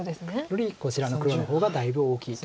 よりこちらの黒の方がだいぶ大きいと。